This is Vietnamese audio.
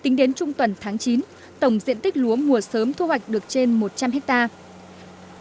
tính đến trung tuần tháng chín tổng diện tích lúa mùa sớm thu hoạch được trên một trăm linh hectare